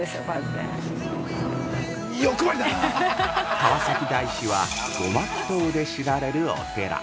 ◆川崎大師は護摩祈祷で知られるお寺。